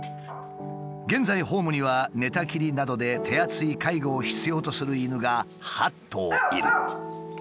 現在ホームには寝たきりなどで手厚い介護を必要とする犬が８頭いる。